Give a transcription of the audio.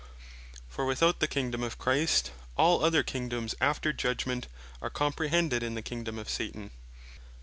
For without the Kingdom of Christ, all other Kingdomes after Judgment, are comprehended in the Kingdome of Satan.